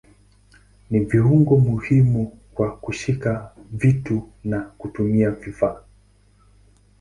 Ni viungo muhimu kwa kushika vitu na kutumia vifaa.